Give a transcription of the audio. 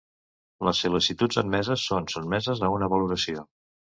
Les sol·licituds admeses són sotmeses a una valoració.